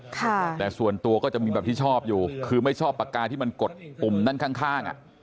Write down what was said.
แต่ส่วนตัวก็จะมีแบบที่ชอบอยู่คือไม่ชอบปากกาที่มันกดปุ่มด้านข้างอ่ะ